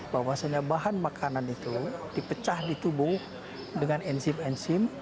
bahwasannya bahan makanan itu dipecah di tubuh dengan enzim enzim